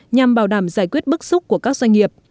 nhằm bảo đảm giải quyết bức xúc của các doanh nghiệp